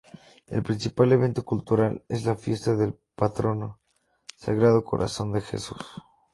El principal evento cultural es la fiesta del patrono: Sagrado corazón de Jesús.